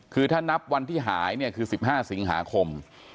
คือถ้านับวันที่หายเนี่ยคือ๑๕สิงหาคม